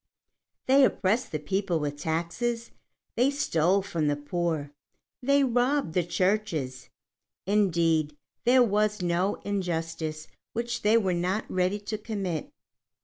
They oppressed the people with taxes, they stole from the poor, they robbed the churches; indeed there was no injustice which they were not ready to commit.